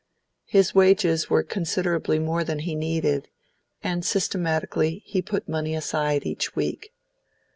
His wages were considerably more than he needed, and systematically he put money aside each week.